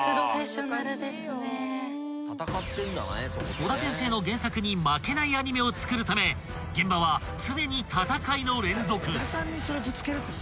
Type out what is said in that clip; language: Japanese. ［尾田先生の原作に負けないアニメを作るため現場は常に戦いの連続］